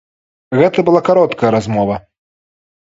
Гэта была кароткая размова.